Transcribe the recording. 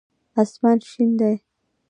آسمان شين دی.